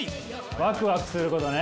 ワクワクすることね。